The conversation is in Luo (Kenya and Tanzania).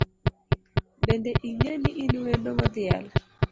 Bende ing’eni in wendo modhial